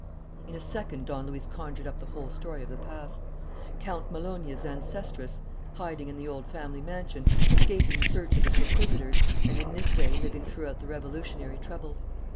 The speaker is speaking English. In a second, Don Luis conjured up the whole story of the past: Count Malonyi's ancestress hiding in the old family mansion, escaping the search of the perquisitors, and in this way living throughout the revolutionary troubles.